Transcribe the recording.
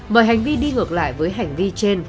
mời hành vi đi ngược lại với hành vi trên